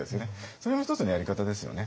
それも一つのやり方ですよね。